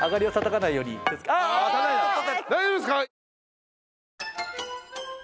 大丈夫ですか！？